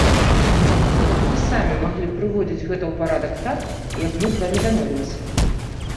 Каб вы самі маглі прыводзіць гэта ў парадак так, як мы з вамі дамовіліся.